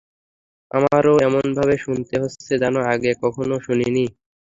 আমারও এমনভাবে শুনতে হচ্ছে যেন আগে কখনও শুনিনি।